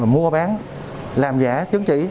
mua bán làm giả chứng chỉ